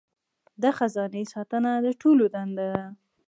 د خزانې ساتنه د ټولو دنده ده.